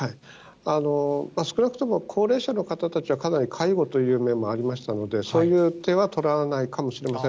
少なくとも、高齢者の方たちはかなり介護という面もありましたので、そういう手は取らないかもしれません。